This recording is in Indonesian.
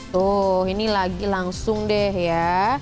tuh ini lagi langsung deh ya